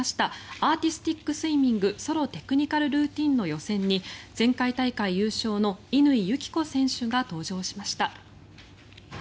アーティスティックスイミングソロ・テクニカルルーティンの予選に前回大会優勝の乾友紀子選手が登場しました。